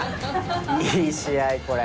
いい試合これ。